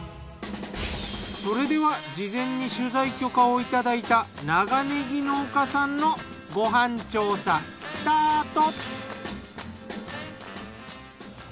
それでは事前に取材許可をいただいた長ねぎ農家さんのご飯調査スタート！